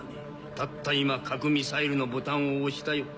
たった今核ミサイルのボタンを押したよ。